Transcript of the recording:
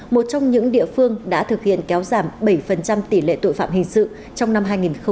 một trong những địa phương đã thực hiện kéo giảm bảy tỷ lệ tội phạm hình sự trong năm hai nghìn hai mươi ba